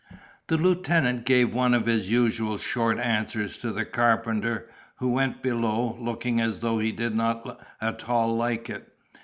The lieutenant gave one of his usual short answers to the carpenter, who went below, looking as though he did not at all like it.